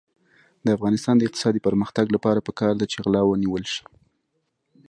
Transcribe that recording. د افغانستان د اقتصادي پرمختګ لپاره پکار ده چې غلا ونیول شي.